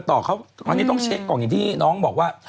ตอนนี้ต้องเช็คก่อนอย่างที่น้องบอกว่า